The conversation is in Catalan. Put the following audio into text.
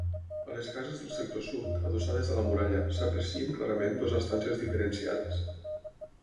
A les cases del sector sud, adossades a la muralla, s'aprecien clarament dues estances diferenciades.